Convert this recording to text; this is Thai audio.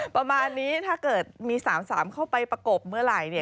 ประมาณนี้ถ้าเกิดมี๓๓เข้าไปประกบเมื่อไหร่